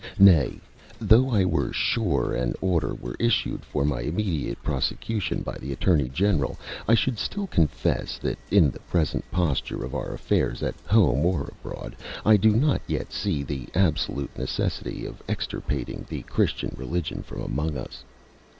Nay, though I were sure an order were issued for my immediate prosecution by the Attorney General, I should still confess, that in the present posture of our affairs at home or abroad, I do not yet see the absolute necessity of extirpating the Christian religion from among us.